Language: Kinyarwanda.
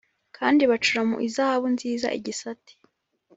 Kandi bacura mu izahabu nziza igisate